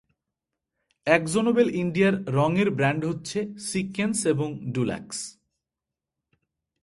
AkzoNobel ইন্ডিয়ার রঙের brand হচ্ছে সিক্কেনস এবং ডুলাক্স।